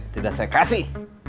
tidak saya kasih